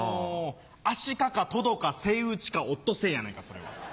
アシカかトドかセイウチかオットセイやないかそれは。